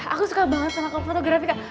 aku suka banget sama kel fotografi kak